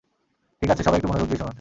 ঠিক আছে, সবাই একটু মনোযোগ দিয়ে শুনুন!